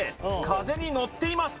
風に乗っています